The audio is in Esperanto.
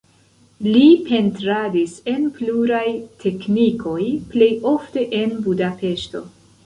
Li pentradis en pluraj teknikoj, plej ofte en Budapeŝto.